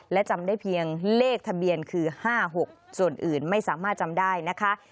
และจำได้เพียงเลขทะเบียนคือ๕๖ส่วนอื่นไม่สามารถจำได้นะคะ